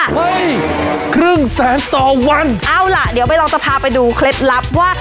เฮ้ยครึ่งแสนต่อวันเอาล่ะเดี๋ยวใบลองจะพาไปดูเคล็ดลับว่า